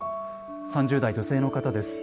３０代女性の方です。